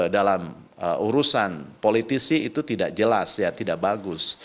dalam urusan politisi itu tidak jelas ya tidak bagus